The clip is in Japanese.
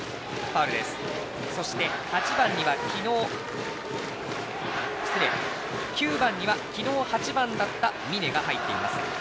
そして９番には昨日８番だった峯が入っています。